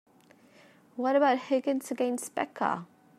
What about Higgins against Becca?